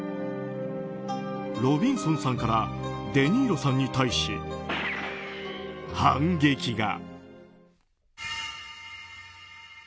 ロビンソンさんからデ・ニーロさんに対し反撃が。